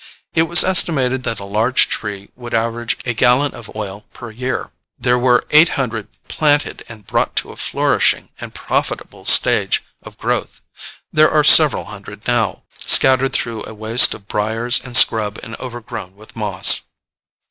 It was estimated that a large tree would average a gallon of oil per year: there were eight hundred planted and brought to a flourishing and profitable stage of growth. There are several hundred now, scattered through a waste of briers and scrub and overgrown with moss.